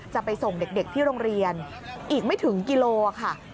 จะไปส่งเด็กที่โรงเรียนอีกไม่ถึงกิโลค่ะ